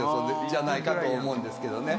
じゃないかと思うんですけどね。